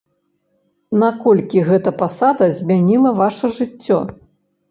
Наколькі гэта пасада змяніла ваша жыццё?